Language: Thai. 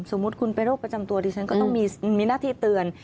สมมุติคุณเป็นโรคประจำตัวดิฉันก็ต้องมีหน้าที่เตือน